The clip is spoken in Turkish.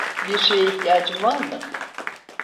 Bir şeye ihtiyacın var mı?